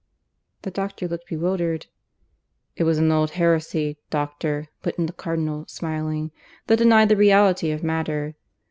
The doctor looked bewildered. "It was an old heresy, doctor," put in the Cardinal, smiling, "that denied the reality of matter.